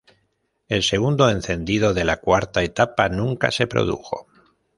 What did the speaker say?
El segundo encendido de la cuarta etapa nunca se produjo.